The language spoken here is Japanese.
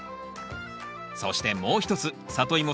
そしてもう一つサトイモ